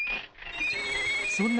そんな